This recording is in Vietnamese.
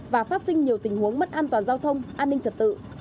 và phát sinh nhiều tình huống mất an toàn giao thông an ninh trật tự